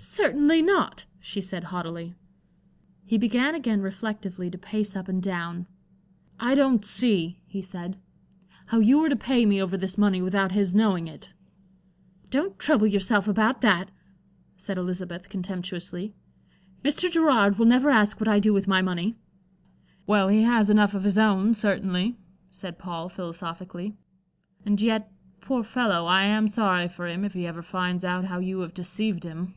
"Certainly not," she said, haughtily. He began again reflectively to pace up and down. "I don't see," he said, "how you are to pay me over this money without his knowing it." "Don't trouble yourself about that," said Elizabeth, contemptuously. "Mr. Gerard will never ask what I do with my money." "Well he has enough of his own, certainly," said Paul, philosophically. "And yet, poor fellow, I am sorry for him if he ever finds out how you have deceived him."